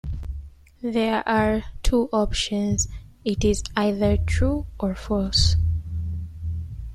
There are two options: it is either true or false.